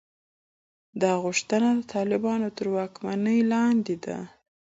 دا غوښتنه د طالبانو تر واکمنۍ لاندې ده.